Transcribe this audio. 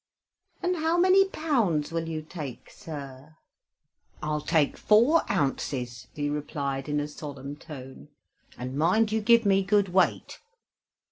"And how many pounds will you take, sir?" "I'll take four ounces," he replied, in a solemn tone, "and mind you give me good weight."